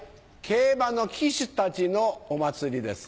競馬の騎手たちのお祭りです。